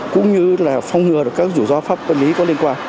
cũng như là phong ngừa các rủi ro pháp lý có liên quan